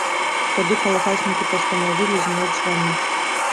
Тады калгаснікі пастанавілі зняць званы.